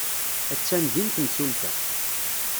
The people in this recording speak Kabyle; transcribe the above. Attan din temsulta.